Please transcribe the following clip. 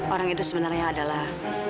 orang itu sebenarnya adalah